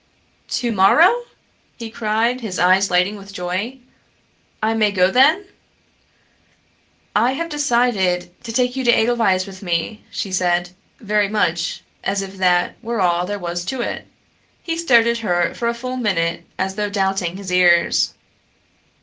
"To morrow?" he cried, his eyes lighting with joy. "I may go then?" "I have decided to take you to Edelweiss with me," she said, very much as if that were all there was to it. He stared at her for a full minute as though doubting his ears.